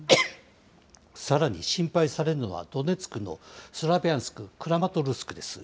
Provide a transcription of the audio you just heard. さらに心配されるのはドネツクのスラビャンスク、クラマトルスクです。